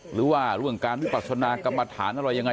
หรือว่าเรื่องการวิปัชฌาณากรมฐาน